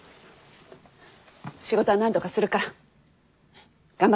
仕事はなんとかするから。頑張って。